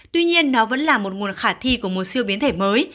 tuy nhiên nó vẫn là một nguồn khả thi của một siêu biến thể mới